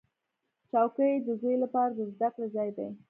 چوکۍ د زوی لپاره د زده کړې ځای دی.